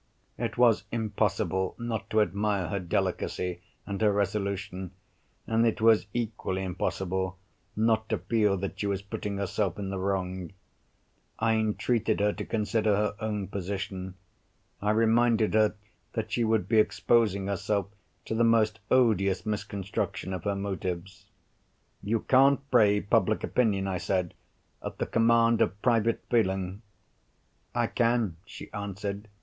It was impossible not to admire her delicacy and her resolution, and it was equally impossible not to feel that she was putting herself in the wrong. I entreated her to consider her own position. I reminded her that she would be exposing herself to the most odious misconstruction of her motives. "You can't brave public opinion," I said, "at the command of private feeling." "I can," she answered.